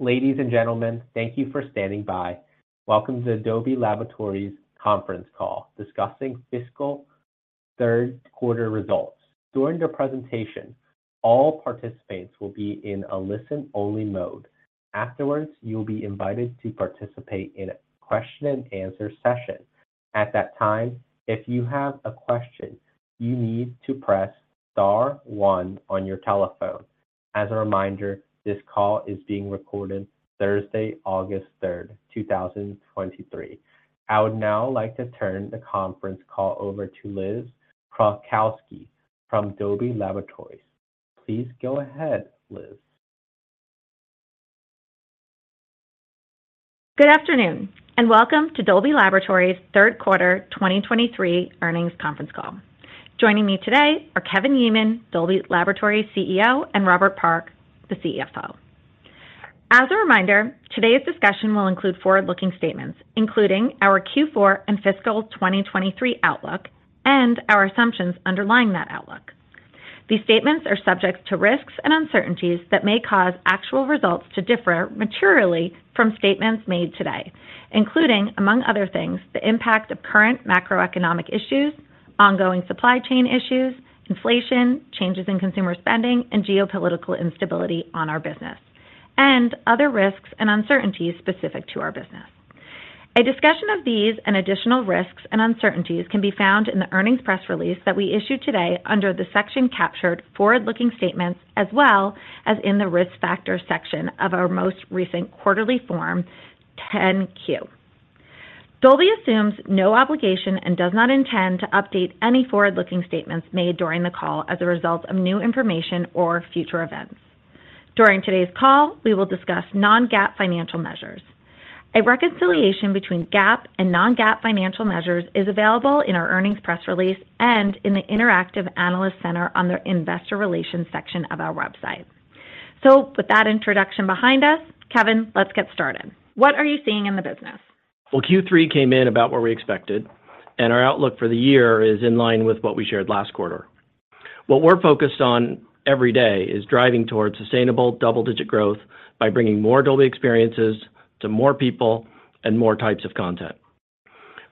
Ladies and gentlemen, thank you for standing by. Welcome to the Dolby Laboratories conference call discussing fiscal third quarter results. During the presentation, all participants will be in a listen-only mode. Afterwards, you will be invited to participate in a question and answer session. At that time, if you have a question, you need to press star one on your telephone. As a reminder, this call is being recorded Thursday, August third, 2023. I would now like to turn the conference call over to Liz Krukowski from Dolby Laboratories. Please go ahead, Liz. Good afternoon, welcome to Dolby Laboratories' third quarter 2023 earnings conference call. Joining me today are Kevin Yeaman, Dolby Laboratories' CEO, and Robert Park, the CFO. As a reminder, today's discussion will include forward-looking statements, including our Q4 and fiscal 2023 outlook and our assumptions underlying that outlook. These statements are subject to risks and uncertainties that may cause actual results to differ materially from statements made today, including, among other things, the impact of current macroeconomic issues, ongoing supply chain issues, inflation, changes in consumer spending, and geopolitical instability on our business, and other risks and uncertainties specific to our business. A discussion of these and additional risks and uncertainties can be found in the earnings press release that we issued today under the section captured Forward-Looking Statements, as well as in the Risk Factors section of our most recent quarterly Form 10-Q. Dolby assumes no obligation and does not intend to update any forward-looking statements made during the call as a result of new information or future events. During today's call, we will discuss non-GAAP financial measures. A reconciliation between GAAP and non-GAAP financial measures is available in our earnings press release and in the Interactive Analyst Center on the Investor Relations section of our website. With that introduction behind us, Kevin, let's get started. What are you seeing in the business? Well, Q3 came in about what we expected, and our outlook for the year is in line with what we shared last quarter. What we're focused on every day is driving towards sustainable double-digit growth by bringing more Dolby experiences to more people and more types of content.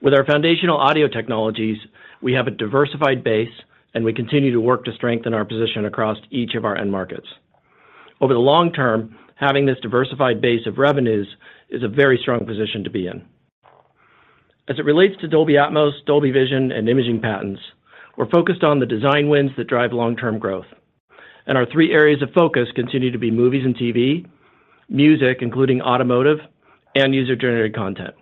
With our foundational audio technologies, we have a diversified base, and we continue to work to strengthen our position across each of our end markets. Over the long term, having this diversified base of revenues is a very strong position to be in. As it relates to Dolby Atmos, Dolby Vision, and imaging patents, we're focused on the design wins that drive long-term growth, and our 3 areas of focus continue to be movies and TV, music, including automotive, and user-generated content.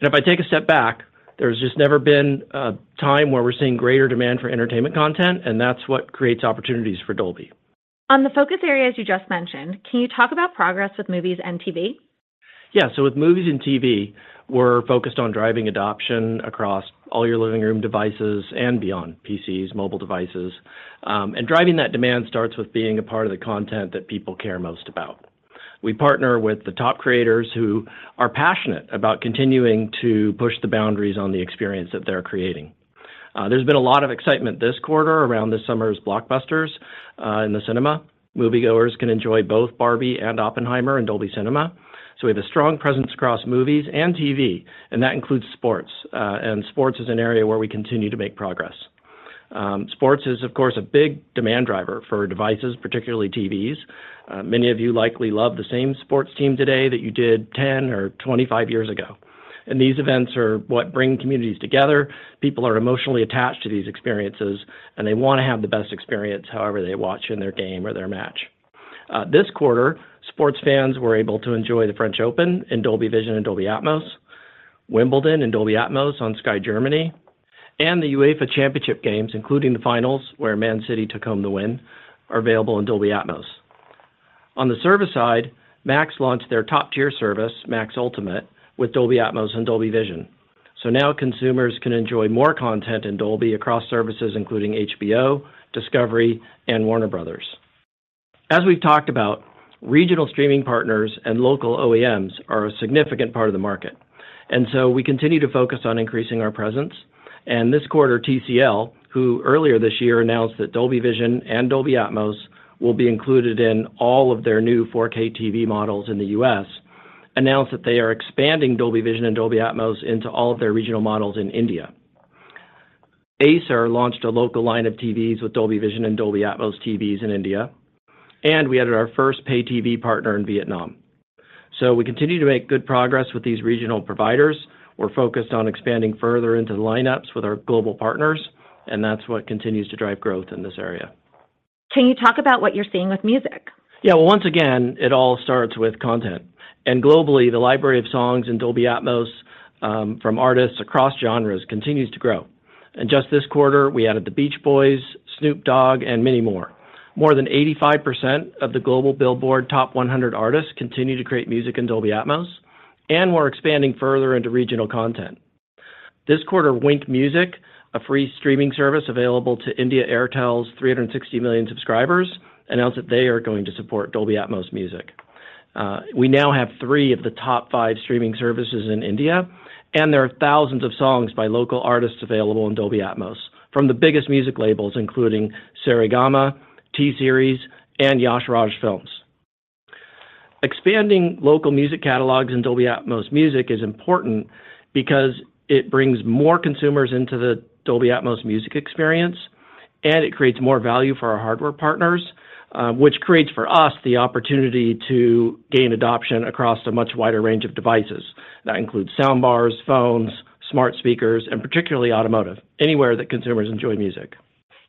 If I take a step back, there's just never been a time where we're seeing greater demand for entertainment content, and that's what creates opportunities for Dolby. On the focus areas you just mentioned, can you talk about progress with movies and TV? Yeah. With movies and TV, we're focused on driving adoption across all your living room devices and beyond: PCs, mobile devices. And driving that demand starts with being a part of the content that people care most about. We partner with the top creators who are passionate about continuing to push the boundaries on the experience that they're creating. There's been a lot of excitement this quarter around this summer's blockbusters in the cinema. Moviegoers can enjoy both Barbie and Oppenheimer in Dolby Cinema. We have a strong presence across movies and TV, and that includes sports. And sports is an area where we continue to make progress. Sports is, of course, a big demand driver for devices, particularly TVs. Many of you likely love the same sports team today that you did 10 or 25 years ago, and these events are what bring communities together. People are emotionally attached to these experiences, and they wanna have the best experience however they watch in their game or their match. This quarter, sports fans were able to enjoy the French Open in Dolby Vision and Dolby Atmos, Wimbledon in Dolby Atmos on Sky Germany, and the UEFA Championship games, including the finals, where Man City took home the win, are available in Dolby Atmos. On the service side, Max launched their top-tier service, Max Ultimate, with Dolby Atmos and Dolby Vision. Now consumers can enjoy more content in Dolby across services, including HBO, Discovery, and Warner Bros. As we've talked about, regional streaming partners and local OEMs are a significant part of the market, and so we continue to focus on increasing our presence. This quarter, TCL, who earlier this year announced that Dolby Vision and Dolby Atmos will be included in all of their new 4K TV models in the US, announced that they are expanding Dolby Vision and Dolby Atmos into all of their regional models in India. Acer launched a local line of TVs with Dolby Vision and Dolby Atmos TVs in India, and we added our first pay TV partner in Vietnam. We continue to make good progress with these regional providers. We're focused on expanding further into the lineups with our global partners, and that's what continues to drive growth in this area. Can you talk about what you're seeing with music? Yeah. Well, once again, it all starts with content, and globally, the library of songs in Dolby Atmos, from artists across genres continues to grow. Just this quarter, we added the Beach Boys, Snoop Dogg, and many more. More than 85% of the global Billboard top 100 artists continue to create music in Dolby Atmos, and we're expanding further into regional content. This quarter, Wynk Music, a free streaming service available to India Airtel's 360 million subscribers, announced that they are going to support Dolby Atmos Music. We now have three of the top five streaming services in India, and there are thousands of songs by local artists available in Dolby Atmos from the biggest music labels, including Saregama, T-Series, and Yash Raj Films. Expanding local music catalogs in Dolby Atmos Music is important because it brings more consumers into the Dolby Atmos music experience, and it creates more value for our hardware partners, which creates for us the opportunity to gain adoption across a much wider range of devices. That includes sound bars, phones, smart speakers, and particularly automotive, anywhere that consumers enjoy music.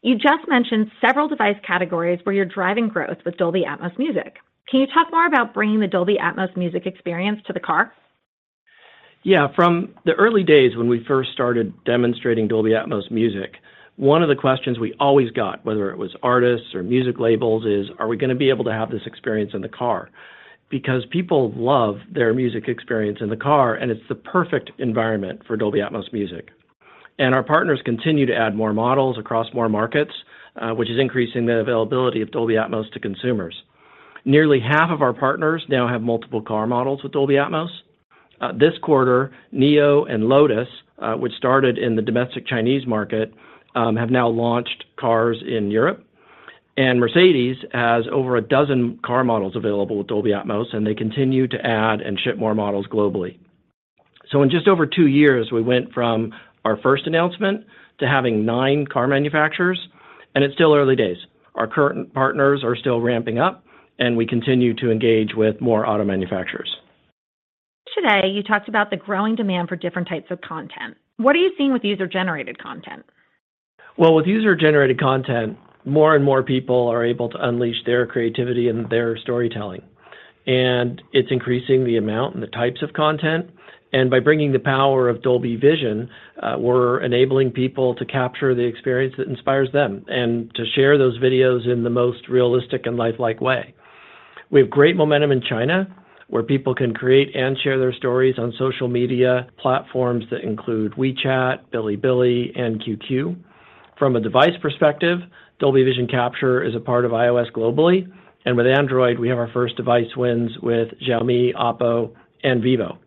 You just mentioned several device categories where you're driving growth with Dolby Atmos Music. Can you talk more about bringing the Dolby Atmos Music experience to the car? Yeah. From the early days when we first started demonstrating Dolby Atmos Music, one of the questions we always got, whether it was artists or music labels, is: Are we gonna be able to have this experience in the car? Because people love their music experience in the car, and it's the perfect environment for Dolby Atmos Music. Our partners continue to add more models across more markets, which is increasing the availability of Dolby Atmos to consumers. Nearly half of our partners now have multiple car models with Dolby Atmos. This quarter, NIO and Lotus, which started in the domestic Chinese market, have now launched cars in Europe. Mercedes has over a dozen car models available with Dolby Atmos, and they continue to add and ship more models globally. In just over 2 years, we went from our first announcement to having 9 car manufacturers, and it's still early days. Our current partners are still ramping up, and we continue to engage with more auto manufacturers. Today, you talked about the growing demand for different types of content. What are you seeing with user-generated content? Well, with user-generated content, more and more people are able to unleash their creativity and their storytelling. It's increasing the amount and the types of content. By bringing the power of Dolby Vision, we're enabling people to capture the experience that inspires them and to share those videos in the most realistic and lifelike way. We have great momentum in China, where people can create and share their stories on social media platforms that include WeChat, Bilibili, and QQ. From a device perspective, Dolby Vision Capture is a part of iOS globally. With Android, we have our first device wins with Xiaomi, OPPO, and vivo.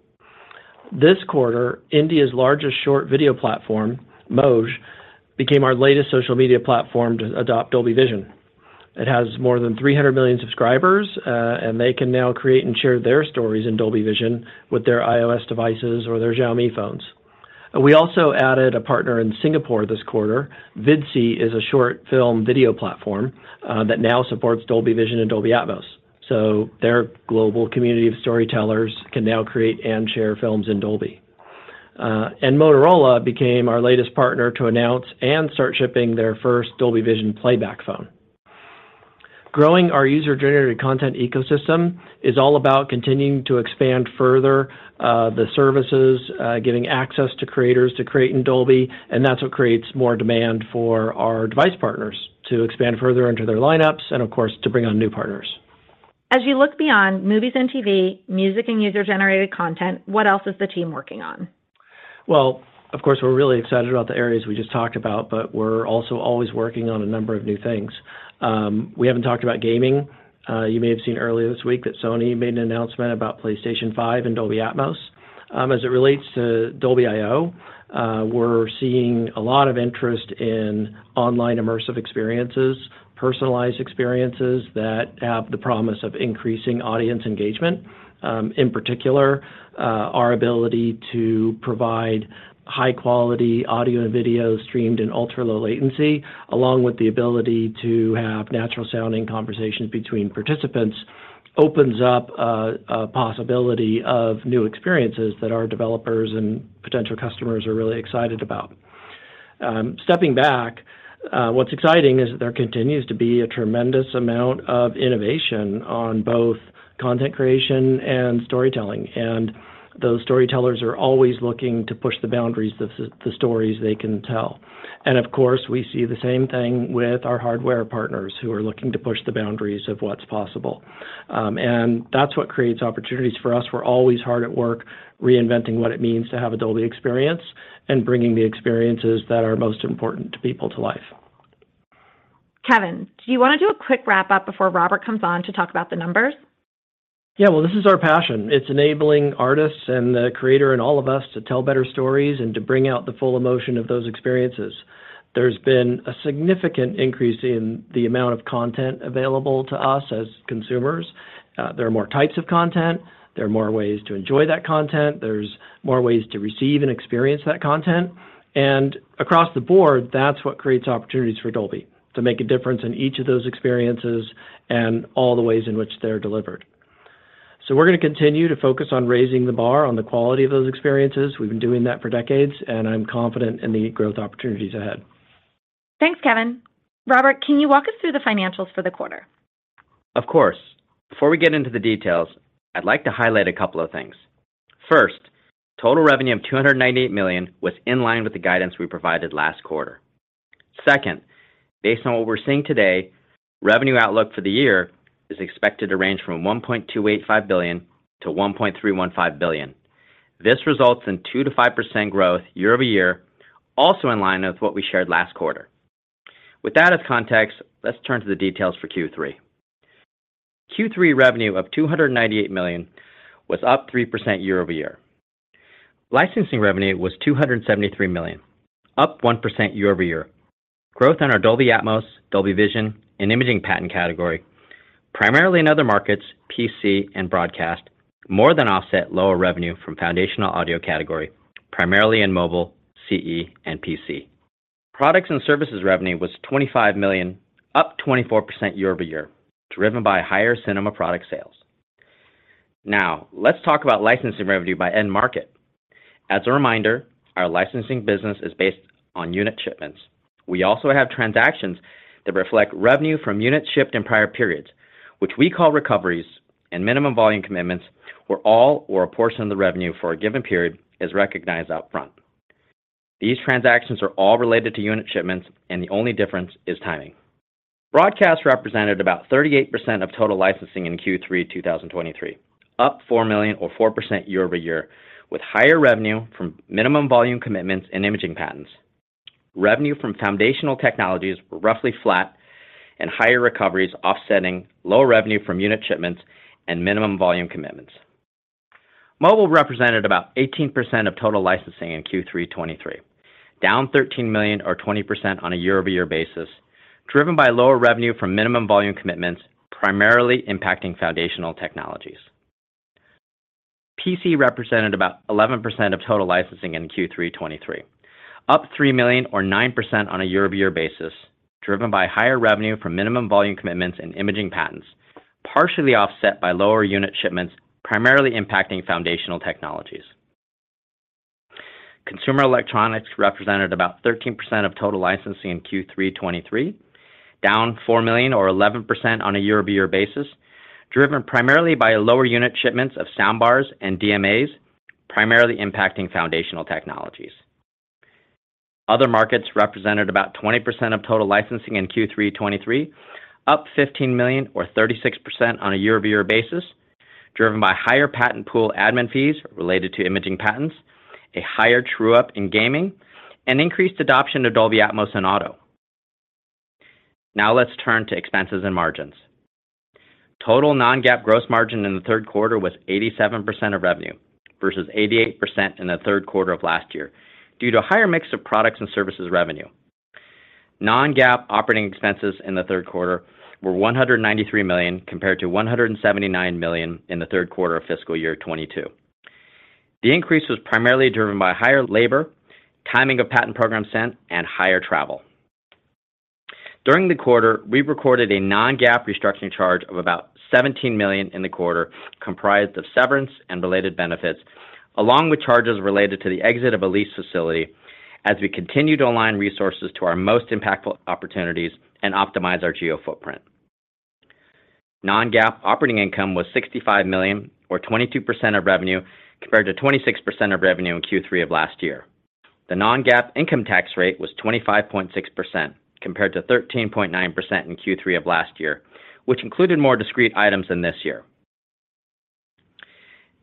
This quarter, India's largest short video platform, Moj, became our latest social media platform to adopt Dolby Vision. It has more than 300 million subscribers, and they can now create and share their stories in Dolby Vision with their iOS devices or their Xiaomi phones. We also added a partner in Singapore this quarter. Vidsy is a short film video platform that now supports Dolby Vision and Dolby Atmos, so their global community of storytellers can now create and share films in Dolby. Motorola became our latest partner to announce and start shipping their first Dolby Vision playback phone. Growing our user-generated content ecosystem is all about continuing to expand further the services, giving access to creators to create in Dolby, and that's what creates more demand for our device partners to expand further into their lineups and, of course, to bring on new partners. As you look beyond movies and TV, music and user-generated content, what else is the team working on? Well, of course, we're really excited about the areas we just talked about, but we're also always working on a number of new things. We haven't talked about gaming. You may have seen earlier this week that Sony made an announcement about PlayStation 5 and Dolby Atmos. As it relates to Dolby IO, we're seeing a lot of interest in online immersive experiences, personalized experiences that have the promise of increasing audience engagement. In particular, our ability to provide high-quality audio and video streamed in ultra-low latency, along with the ability to have natural-sounding conversations between participants, opens up a possibility of new experiences that our developers and potential customers are really excited about. Stepping back, what's exciting is that there continues to be a tremendous amount of innovation on both content creation and storytelling, and those storytellers are always looking to push the boundaries of the, the stories they can tell. Of course, we see the same thing with our hardware partners, who are looking to push the boundaries of what's possible. That's what creates opportunities for us. We're always hard at work reinventing what it means to have a Dolby experience and bringing the experiences that are most important to people to life. Kevin, do you want to do a quick wrap-up before Robert comes on to talk about the numbers? Yeah. Well, this is our passion. It's enabling artists and the creator and all of us to tell better stories and to bring out the full emotion of those experiences. There are more types of content, there are more ways to enjoy that content, there's more ways to receive and experience that content, and across the board, that's what creates opportunities for Dolby to make a difference in each of those experiences and all the ways in which they're delivered. We're gonna continue to focus on raising the bar on the quality of those experiences. We've been doing that for decades, and I'm confident in the growth opportunities ahead. Thanks, Kevin. Robert, can you walk us through the financials for the quarter? Of course. Before we get into the details, I'd like to highlight a couple of things. First, total revenue of $298 million was in line with the guidance we provided last quarter. Second, based on what we're seeing today, revenue outlook for the year is expected to range from $1.285 billion to $1.315 billion. This results in 2%-5% growth year-over-year, also in line with what we shared last quarter. With that as context, let's turn to the details for Q3. Q3 revenue of $298 million was up 3% year-over-year. Licensing revenue was $273 million, up 1% year-over-year. Growth in our Dolby Atmos, Dolby Vision, and imaging patent category, primarily in other markets, PC and broadcast, more than offset lower revenue from foundational audio category, primarily in mobile, CE, and PC. Products and services revenue was $25 million, up 24% year-over-year, driven by higher cinema product sales. Now, let's talk about licensing revenue by end market. As a reminder, our licensing business is based on unit shipments. We also have transactions that reflect revenue from units shipped in prior periods, which we call recoveries and minimum volume commitments, where all or a portion of the revenue for a given period is recognized upfront. These transactions are all related to unit shipments, and the only difference is timing. Broadcast represented about 38% of total licensing in Q3 2023, up $4 million or 4% year-over-year, with higher revenue from minimum volume commitments and imaging patents. Revenue from foundational technologies were roughly flat and higher recoveries offsetting lower revenue from unit shipments and minimum volume commitments. Mobile represented about 18% of total licensing in Q3 '23, down $13 million or 20% on a year-over-year basis, driven by lower revenue from minimum volume commitments, primarily impacting foundational technologies. PC represented about 11% of total licensing in Q3 '23, up $3 million or 9% on a year-over-year basis, driven by higher revenue from minimum volume commitments and imaging patents, partially offset by lower unit shipments, primarily impacting foundational technologies. Consumer electronics represented about 13% of total licensing in Q3 2023, down $4 million or 11% on a year-over-year basis, driven primarily by lower unit shipments of soundbars and DMAs, primarily impacting foundational technologies. Other markets represented about 20% of total licensing in Q3 2023, up $15 million or 36% on a year-over-year basis, driven by higher patent pool admin fees related to imaging patents, a higher true-up in gaming, and increased adoption of Dolby Atmos in auto. Now, let's turn to expenses and margins. Total non-GAAP gross margin in the third quarter was 87% of revenue, versus 88% in the third quarter of last year, due to a higher mix of products and services revenue. Non-GAAP operating expenses in the third quarter were $193 million, compared to $179 million in the third quarter of fiscal year 2022. The increase was primarily driven by higher labor, timing of patent program spend, and higher travel. During the quarter, we recorded a non-GAAP restructuring charge of about $17 million in the quarter, comprised of severance and related benefits, along with charges related to the exit of a lease facility, as we continue to align resources to our most impactful opportunities and optimize our geo footprint. Non-GAAP operating income was $65 million, or 22% of revenue, compared to 26% of revenue in Q3 of last year. The non-GAAP income tax rate was 25.6%, compared to 13.9% in Q3 of last year, which included more discrete items than this year.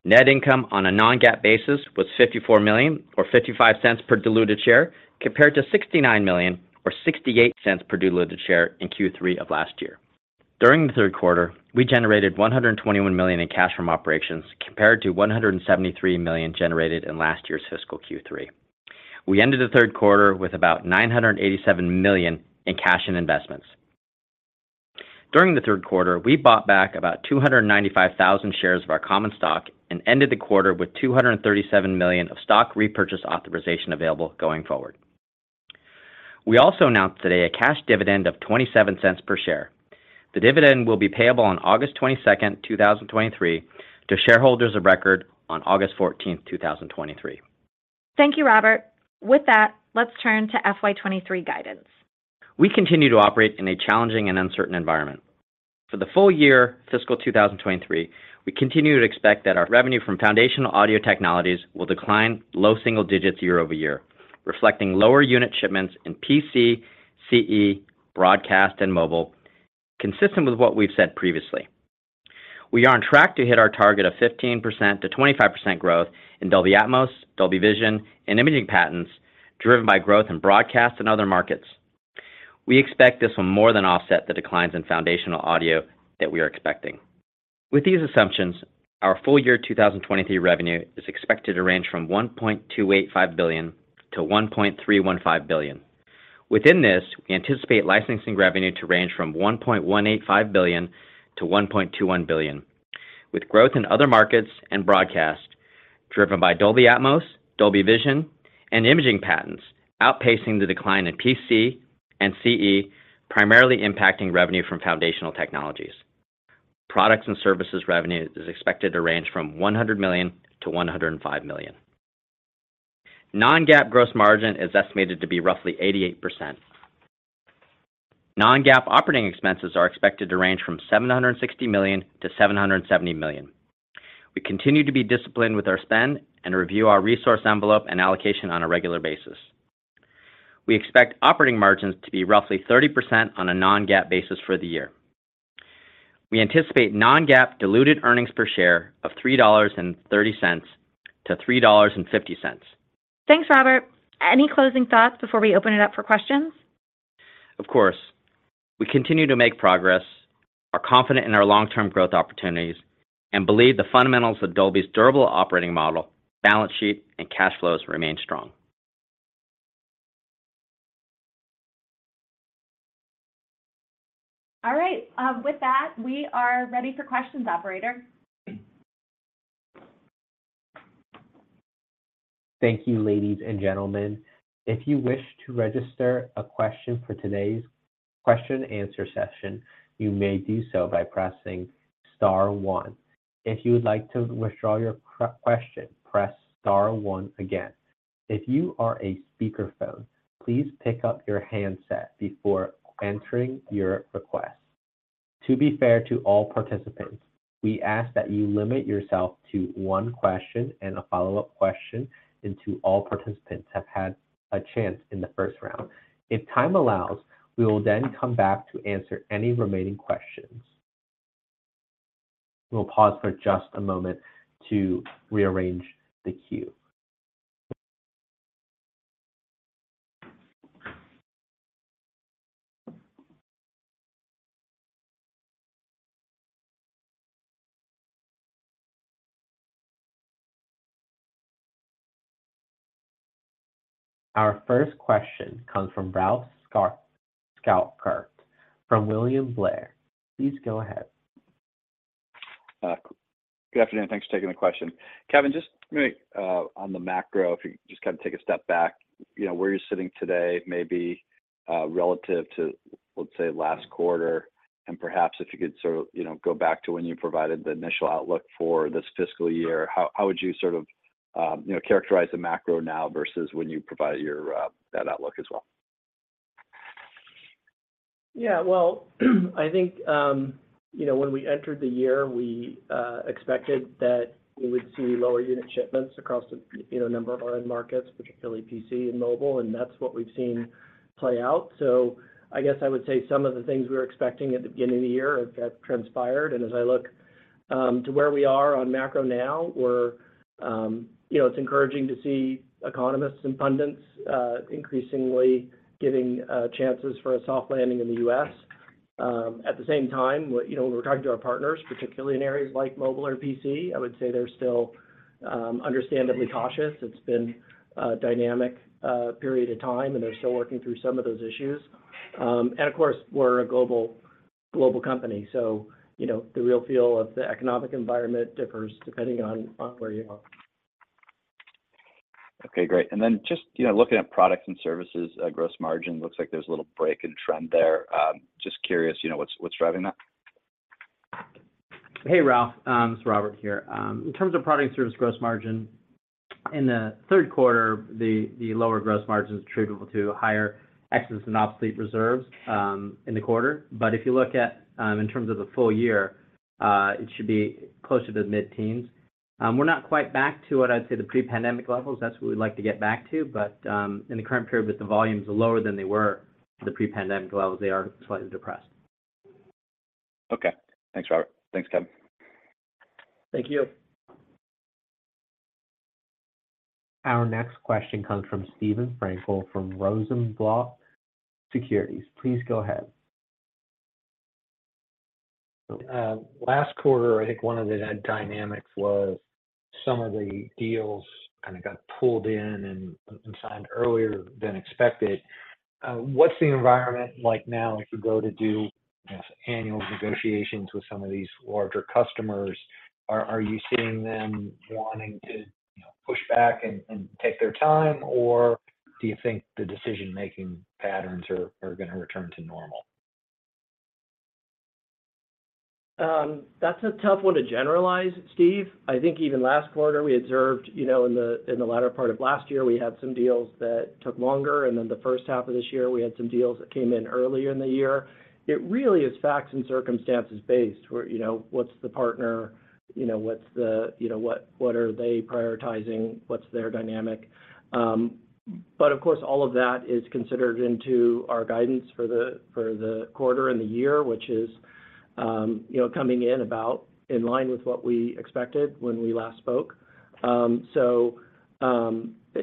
Net income on a non-GAAP basis was $54 million, or $0.55 per diluted share, compared to $69 million, or $0.68 per diluted share in Q3 of last year. During the Q3, we generated $121 million in cash from operations, compared to $173 million generated in last year's fiscal Q3. We ended the Q3 with about $987 million in cash and investments. During the Q3, we bought back about 295,000 shares of our common stock and ended the quarter with $237 million of stock repurchase authorization available going forward. We also announced today a cash dividend of $0.27 per share. The dividend will be payable on August 22, 2023, to shareholders of record on August 14, 2023. Thank you, Robert. With that, let's turn to FY twenty-three guidance. We continue to operate in a challenging and uncertain environment. For the full year FY 2023, we continue to expect that our revenue from foundational audio technologies will decline low single digits year-over-year, reflecting lower unit shipments in PC, CE, broadcast, and mobile, consistent with what we've said previously. We are on track to hit our target of 15%-25% growth in Dolby Atmos, Dolby Vision, and imaging patents, driven by growth in broadcast and other markets. We expect this will more than offset the declines in foundational audio that we are expecting. With these assumptions, our full year 2023 revenue is expected to range from $1.285 billion-$1.315 billion. Within this, we anticipate licensing revenue to range from $1.185 billion-$1.21 billion, with growth in other markets and broadcast driven by Dolby Atmos, Dolby Vision, and imaging patents, outpacing the decline in PC and CE, primarily impacting revenue from foundational technologies. Products and services revenue is expected to range from $100 million-$105 million. Non-GAAP gross margin is estimated to be roughly 88%. Non-GAAP operating expenses are expected to range from $760 million-$770 million. We continue to be disciplined with our spend and review our resource envelope and allocation on a regular basis. We expect operating margins to be roughly 30% on a non-GAAP basis for the year. We anticipate non-GAAP diluted earnings per share of $3.30-$3.50. Thanks, Robert. Any closing thoughts before we open it up for questions? Of course, we continue to make progress, are confident in our long-term growth opportunities, and believe the fundamentals of Dolby's durable operating model, balance sheet, and cash flows remain strong. All right, with that, we are ready for questions, operator. Thank you, ladies and gentlemen. If you wish to register a question for today's question and answer session, you may do so by pressing star one. If you would like to withdraw your question, press star one again. If you are a speakerphone, please pick up your handset before entering your request. To be fair to all participants, we ask that you limit yourself to one question and a follow-up question until all participants have had a chance in the first round. If time allows, we will then come back to answer any remaining questions. We'll pause for just a moment to rearrange the queue. Our first question comes from Ralph Schackart from William Blair. Please go ahead. Good afternoon. Thanks for taking the question. Kevin, just maybe, on the macro, if you just kind of take a step back, you know, where you're sitting today, maybe, relative to, let's say, last quarter, and perhaps if you could sort of, you know, go back to when you provided the initial outlook for this fiscal year. How, how would you sort of, you know, characterize the macro now versus when you provided your, that outlook as well? Yeah. Well, I think, you know, when we entered the year, we expected that we would see lower unit shipments across the, you know, number of our end markets, particularly PC and mobile, and that's what we've seen play out. I guess I would say some of the things we were expecting at the beginning of the year have, have transpired. As I look to where we are on macro now, we're, you know, it's encouraging to see economists and pundits increasingly giving chances for a soft landing in the US. At the same time, what, you know, when we're talking to our partners, particularly in areas like mobile or PC, I would say they're still understandably cautious. It's been a dynamic period of time, and they're still working through some of those issues. Of course, we're a global, global company, so, you know, the real feel of the economic environment differs depending on, on where you are. Okay, great. Then just, you know, looking at products and services, gross margin, looks like there's a little break in trend there. Just curious, you know, what's, what's driving that? Hey, Ralph, it's Robert here. In terms of product service gross margin, in the third quarter, the, the lower gross margin is attributable to higher excess and obsolete reserves in the quarter. If you look at, in terms of the full year, it should be closer to the mid-teens. We're not quite back to what I'd say the pre-pandemic levels, that's what we'd like to get back to. In the current period, with the volumes lower than they were the pre-pandemic levels, they are slightly depressed. Okay. Thanks, Robert. Thanks, Kevin. Thank you. Our next question comes from Steven Frankel from Rosenblatt Securities. Please go ahead. Last quarter, I think one of the dynamics was some of the deals kind of got pulled in and, and signed earlier than expected. What's the environment like now as you go to do annual negotiations with some of these larger customers? Are, are you seeing them wanting to, you know, push back and, and take their time, or do you think the decision-making patterns are, are gonna return to normal? That's a tough one to generalize, Steve. I think even last quarter, we observed, you know, in the, in the latter part of last year, we had some deals that took longer, and then the first half of this year, we had some deals that came in earlier in the year. It really is facts and circumstances based, where, you know, what's the partner, you know, what's the, you know, what, what are they prioritizing? What's their dynamic? Of course, all of that is considered into our guidance for the, for the quarter and the year, which is, you know, coming in about in line with what we expected when we last spoke.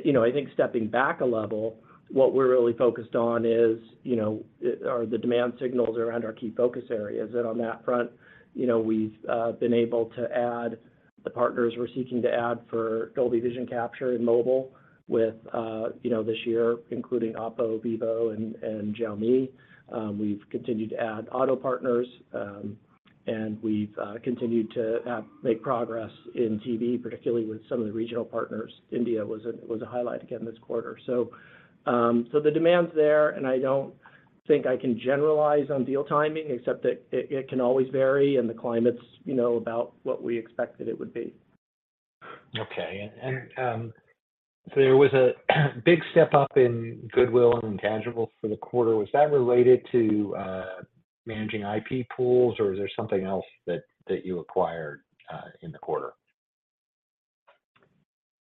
You know, I think stepping back a level, what we're really focused on is, you know, are the demand signals around our key focus areas. On that front, you know, we've been able to add the partners we're seeking to add for Dolby Vision Capture in mobile with, you know, this year, including OPPO, vivo, and Xiaomi. We've continued to add auto partners, and we've continued to make progress in TV, particularly with some of the regional partners. India was a highlight again this quarter. The demand's there, and I don't think I can generalize on deal timing, except that it, it can always vary, and the climate's, you know, about what we expected it would be. Okay. There was a big step-up in goodwill and intangibles for the quarter. Was that related to managing IP pools, or is there something else that you acquired in the quarter?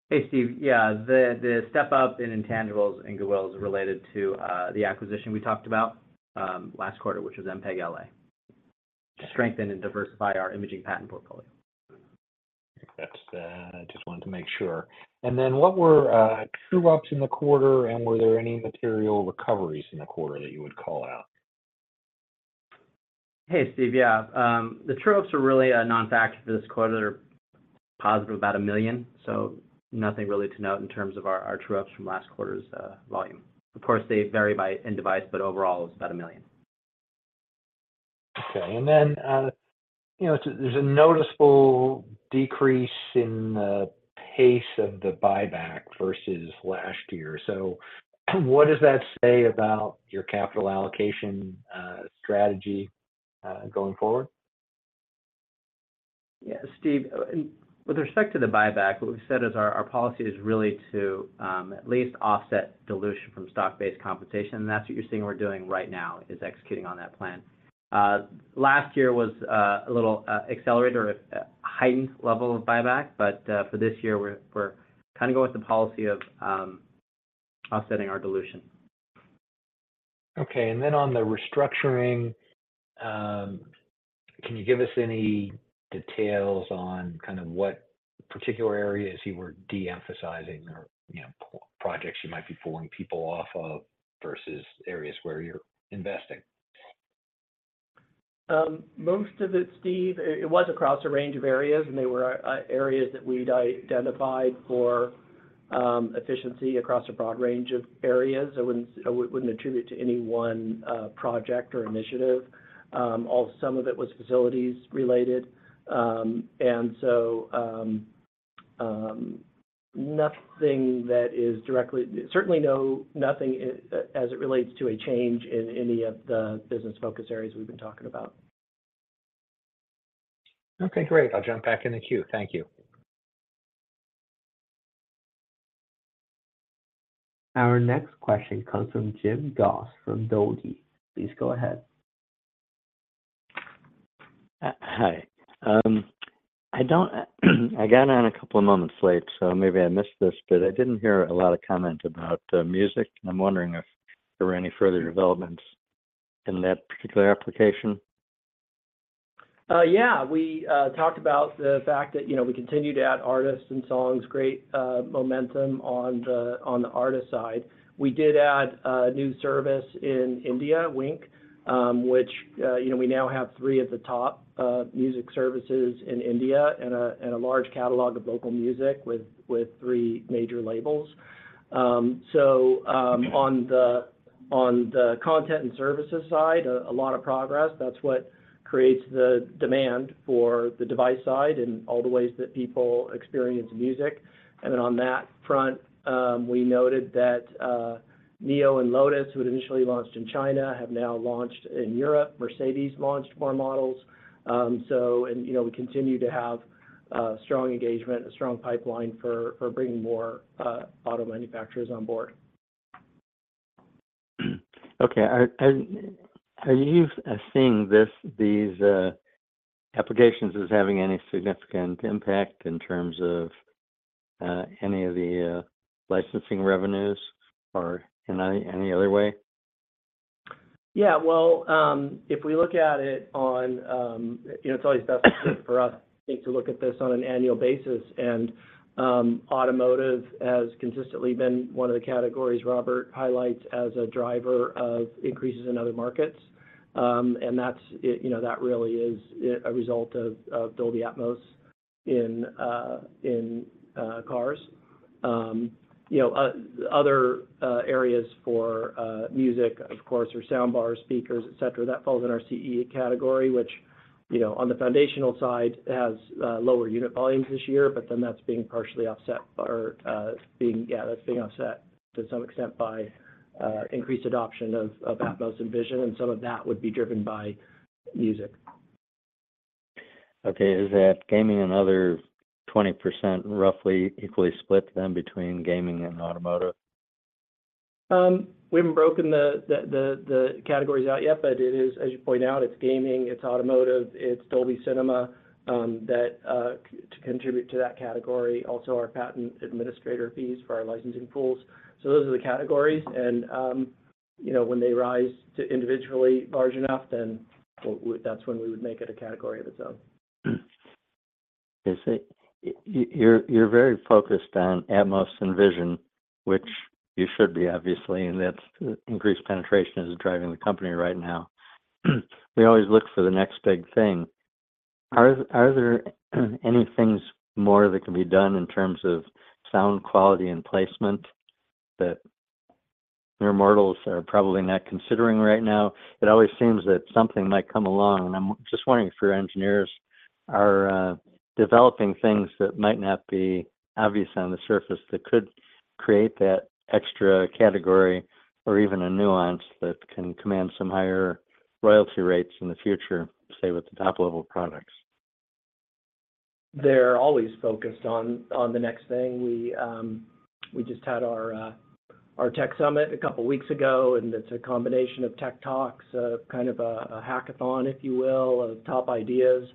Hey, Steve. Yeah, the, the step-up in intangibles and goodwill is related to the acquisition we talked about last quarter, which was MPEGLA, to strengthen and diversify our imaging patent portfolio. I think that's, I just wanted to make sure. What were, true-ups in the quarter, and were there any material recoveries in the quarter that you would call out? Hey, Steve. Yeah, the true-ups are really a non-factor for this quarter. They're positive about $1 million. Nothing really to note in terms of our, our true-ups from last quarter's volume. Of course, they vary by end device. Overall it's about $1 million. Okay, you know, there's, there's a noticeable decrease in the pace of the buyback versus last year. What does that say about your capital allocation, strategy, going forward? Yeah, Steve, with respect to the buyback, what we've said is our, our policy is really to, at least offset dilution from stock-based compensation. That's what you're seeing we're doing right now, is executing on that plan. Last year was a little accelerated or a heightened level of buyback. For this year, we're kind of going with the policy of offsetting our dilution. Okay, then on the restructuring, can you give us any details on kind of what particular areas you were de-emphasizing or, you know, projects you might be pulling people off of versus areas where you're investing? Most of it, Steve, it, it was across a range of areas, and they were areas that we'd identified for efficiency across a broad range of areas. I wouldn't, I wouldn't attribute it to any one project or initiative. Some of it was facilities related. And so nothing that is directly... Certainly no, nothing as it relates to a change in any of the business focus areas we've been talking about. Okay, great. I'll jump back in the queue. Thank you. Our next question comes from Jim Goss from Dolgie. Please go ahead. Hi. I don't, I got on a couple of moments late, so maybe I missed this, but I didn't hear a lot of comment about music, and I'm wondering if there were any further developments in that particular application. Yeah. We talked about the fact that, you know, we continue to add artists and songs, great momentum on the, on the artist side. We did add a new service in India, Wink, which, you know, we now have three of the top music services in India and a, and a large catalog of local music with, with three major labels. So, on the, on the content and services side, a, a lot of progress. That's what creates the demand for the device side and all the ways that people experience music. On that front, we noted that NIO and Lotus, who had initially launched in China, have now launched in Europe. Mercedes launched more models. You know, we continue to have strong engagement, a strong pipeline for bringing more auto manufacturers on board. Okay. Are you seeing this, these applications as having any significant impact in terms of any of the licensing revenues or in any, any other way? Yeah, well, if we look at it on, you know, it's always best for us, I think, to look at this on an annual basis, and automotive has consistently been one of the categories Robert highlights as a driver of increases in other markets. And that's, you know, that really is a result of Dolby Atmos in cars. You know, other areas for music, of course, are soundbar, speakers, et cetera, that falls in our CE category, which, you know, on the foundational side, has lower unit volumes this year, but then that's being partially offset or being, yeah, that's being offset to some extent by increased adoption of Atmos and Vision, and some of that would be driven by music. Okay. Is that gaming another 20%, roughly equally split then between gaming and automotive? We haven't broken the categories out yet, but it is, as you point out, it's gaming, it's automotive, it's Dolby Cinema, that to contribute to that category, also our patent administrator fees for our licensing pools. Those are the categories and, you know, when they rise to individually large enough, then that's when we would make it a category of its own. I see. You're very focused on Atmos and Vision, which you should be, obviously, and that's, increased penetration is driving the company right now. We always look for the next big thing. Are there any things more that can be done in terms of sound quality and placement that mere mortals are probably not considering right now? It always seems that something might come along, and I'm just wondering if your engineers are developing things that might not be obvious on the surface, that could create that extra category or even a nuance that can command some higher royalty rates in the future, say, with the top-level products. They're always focused on, on the next thing. We, we just had our, our tech summit a couple weeks ago, and it's a combination of tech talks, kind of a, a hackathon, if you will, of top ideas.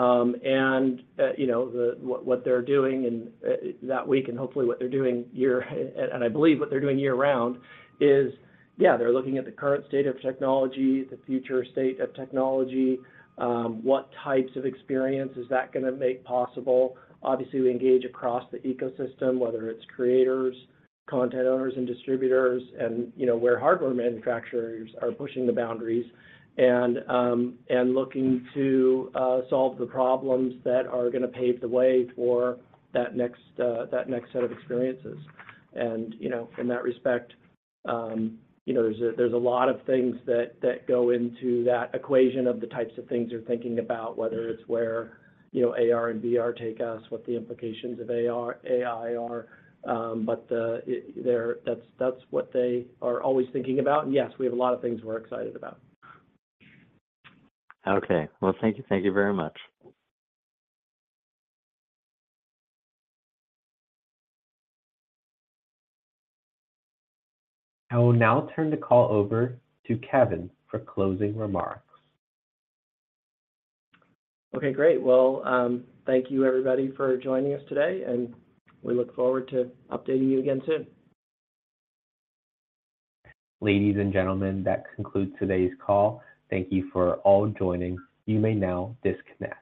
And, you know, the, what, what they're doing and that week, and hopefully what they're doing year- and I believe what they're doing year-round, is, yeah, they're looking at the current state of technology, the future state of technology, what types of experience is that gonna make possible? Obviously, we engage across the ecosystem, whether it's creators, content owners and distributors, and, you know, where hardware manufacturers are pushing the boundaries and looking to solve the problems that are gonna pave the way for that next, that next set of experiences. You know, in that respect, you know, there's a, there's a lot of things that, that go into that equation of the types of things you're thinking about, whether it's where, you know, AR and VR take us, what the implications of AR, AI are, but that's, that's what they are always thinking about. Yes, we have a lot of things we're excited about. Okay. Well, thank you. Thank you very much. I will now turn the call over to Kevin for closing remarks. Okay, great. Well, thank you everybody for joining us today. We look forward to updating you again soon. Ladies and gentlemen, that concludes today's call. Thank you for all joining. You may now disconnect.